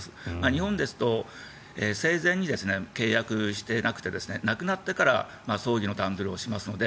日本ですと生前に契約していなくて亡くなってから葬儀の段取りをしますので。